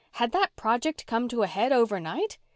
Had that project come to a head overnight?